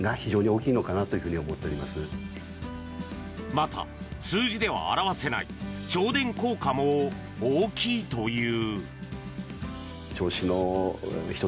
また、数字では表せない銚電効果も大きいという。